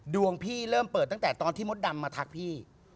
ดวงพี่เริ่มเปิดตั้งแต่ตอนที่มดดำมาทักพี่